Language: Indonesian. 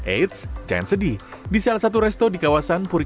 eits jangan sedih di salah satu resto di kawasan puri